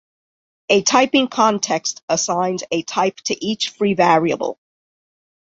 A "typing context" assigns a type to each free variable.